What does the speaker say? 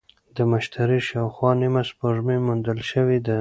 د مشتري شاوخوا نیمه سپوږمۍ موندل شوې ده.